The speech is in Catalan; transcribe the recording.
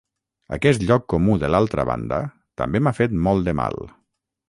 Aquest lloc comú de l'altra banda també m'ha fet molt de mal.